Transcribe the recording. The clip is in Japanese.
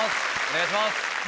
お願いします。